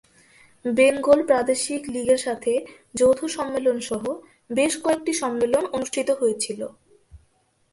বেঙ্গল প্রাদেশিক লীগের সাথে যৌথ সম্মেলন সহ বেশ কয়েকটি সম্মেলন অনুষ্ঠিত হয়েছিল।